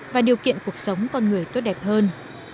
và điều kiện cuộc sống con người tốt đẹp hơn